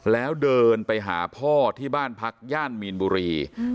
แล้วเดินไปหาพ่อที่บ้านพักย่านมีนบุรี